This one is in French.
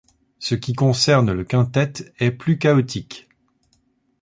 Ce qui concerne le quintette est plus chaotique.